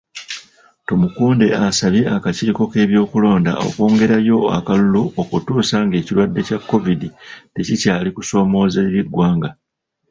Tumukunde asabye akakiiko k'ebyokulonda okwongerayo akalulu okutuusa ng'ekirwadde kya Kovidi tekikyali kusoomooza eri eggwanga.